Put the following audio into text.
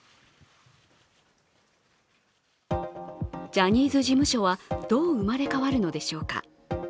ジャニーズ事務所はどう生まれ変わるのでしょうか。